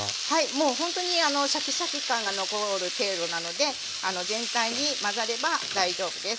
もうほんとにシャキシャキ感が残る程度なので全体に混ざれば大丈夫です。